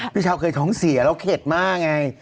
พี่เช้าเคยท้องเสียแล้วเข็ดมากไง